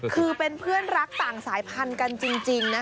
คือเป็นเพื่อนรักต่างสายพันธุ์กันจริงนะคะ